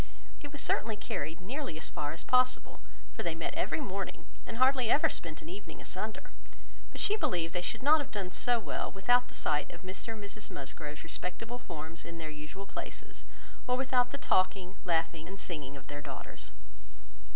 It was certainly carried nearly as far as possible, for they met every morning, and hardly ever spent an evening asunder; but she believed they should not have done so well without the sight of Mr and Mrs Musgrove's respectable forms in the usual places, or without the talking, laughing, and singing of their daughters.